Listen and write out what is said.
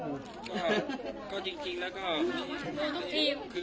หลังจากโรงญาตีครองเราซื้อมาจะเอาไว้ให้สามีอนาคต